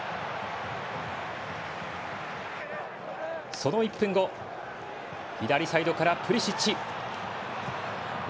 その１分後左サイドからプリシッチ。